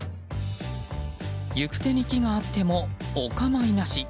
行く手に木があってもお構いなし。